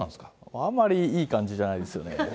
あんまり、いい感じじゃないですよね。